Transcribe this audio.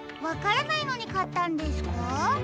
わからないのにかったんですか？